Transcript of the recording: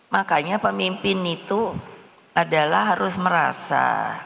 makanya pemimpin itu adalah harus merasa